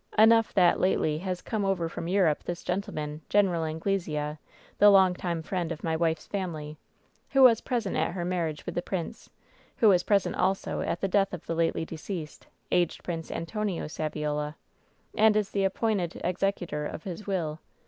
Enough that lately has come over from Europe this gen tleman, Gen. Anglesea, the long time friend of my wife's family, who was present at her marriage with the prince ; who was present also at the death of the lately deceased, aged Prince Antonio Saviola, and is the appointed ex ecutor of his will.